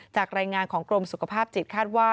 จากรายงานของกรมสุขภาพจิตคาดว่า